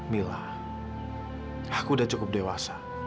mila aku sudah cukup dewasa